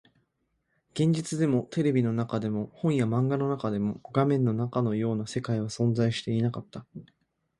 現実でも、テレビの中でも、本や漫画の中でも、画面の中のような世界は存在していなかった